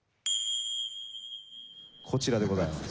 こちらでございます。